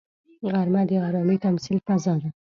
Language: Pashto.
غرمه د ارامي تمثیلي فضا ده